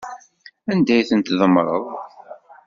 Anda ay ten-tdemmreḍ?